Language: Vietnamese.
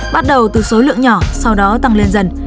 bắt đầu từ số lượng nhỏ sau đó tăng lên dần